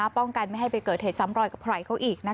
ป้องกันไม่ให้ไปเกิดเหตุซ้ำรอยกับใครเขาอีก